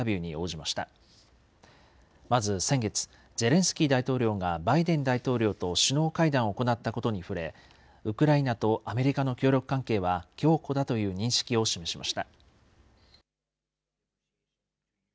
まず先月、ゼレンスキー大統領がバイデン大統領と首脳会談を行ったことに触れ、ウクライナとアメリカの協力関係は強固だという認識を示しました。